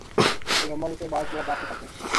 پیغمبر اسے عبادت کے آداب سکھاتے ہیں۔